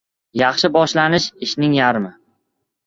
Yaxshi boshlanish – ishning yarmi.